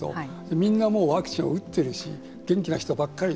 みんなもうワクチンを打ってるし元気な人ばかりだと。